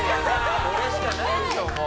これしかないでしょもう。